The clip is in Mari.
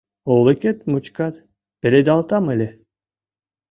Олыкет мучкат пеледалтам ыле.